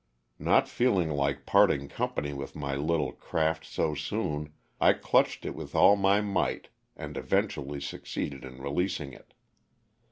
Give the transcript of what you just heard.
Not feeling like parting company with my little craft so soon I clutched it with all my might and eventually succeeded in releasing it.